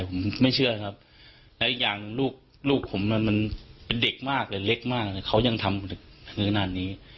ผมไม่เชื่อครับและอีกอย่างลูกผมมันเป็นเด็กมากแต่เล็กมากเลยเขายังทำถึงขนาดนี้